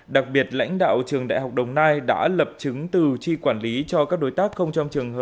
đặc biệt lãnh đạo trường đại học đồng nai đã lập chứng từ chi quản lý cho các đối tác